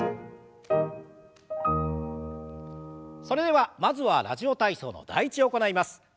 それではまずは「ラジオ体操」の「第１」を行います。